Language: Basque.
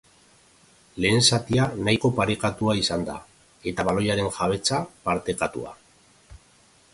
Lehen zatia nahiko parekatua izan da, eta baloiaren jabetza, partekatua.